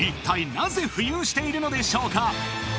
なぜ浮遊しているのでしょうか？